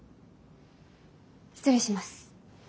失礼します。